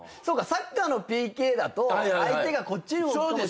サッカーのＰＫだと相手がこっちに動くかもしんない。